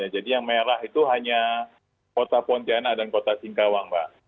jadi yang merah itu hanya kota pontianak dan kota singkawang pak